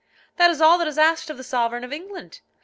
that is all that is asked of the sovereign of England.